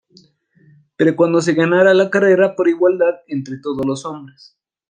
Pero ¿cuándo se ganará la carrera por la igualdad entre todos los hombres?